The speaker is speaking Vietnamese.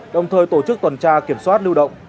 đồng thời tổ chức tuần tra kiểm soát lưu động